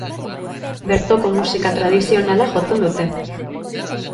Bertoko musika tradizionala jotzen dute.